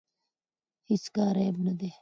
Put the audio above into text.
هیڅ کار عیب نه دی.